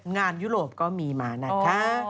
ยุโรปก็มีมานะคะ